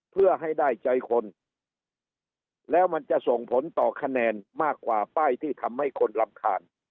เพื่อให้ได้ใจคนแล้วมันจะส่งผลต่อคะแนนมากกว่าป้ายที่ทำให้คนรำคาญ